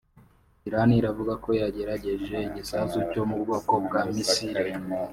Irani iravuga ko yagerageje igisasu cyo mu bwoko bwa misile